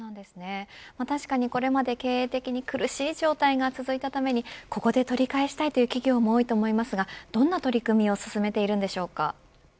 これまで経営的に苦しい状態が続いたためにここで取り返したいという企業も多いと思いますがどんな取り組みを進めているんでしょうか。